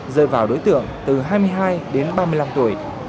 rơi vào đối tượng từ hai mươi hai đến ba mươi năm tuổi